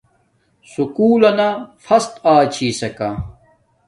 سکُول لنا فسٹ آچھسکا